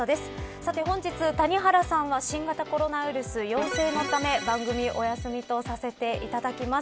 さて、本日、谷原さんは新型コロナウイルス陽性のため番組をお休みとさせていただきます。